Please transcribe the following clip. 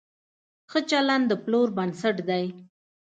ښه چلند د پلور بنسټ دی.